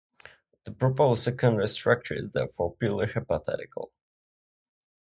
The proposed secondary structure is therefore purely hypothetical.